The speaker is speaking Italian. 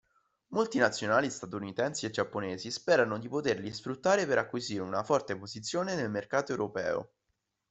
Multinazionali statunitensi e giapponesi sperano di poterli sfruttare per acquisire una forte posizione nel mercato europeo.